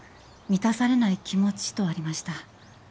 「満たされない気持ち」とありました